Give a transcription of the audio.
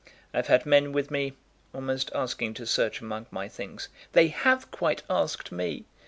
I've had men with me, almost asking to search among my things." "They have quite asked me!"